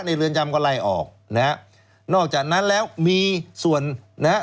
เรือนจำก็ไล่ออกนะฮะนอกจากนั้นแล้วมีส่วนนะฮะ